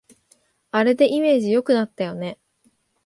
あれでイメージ良くなったよね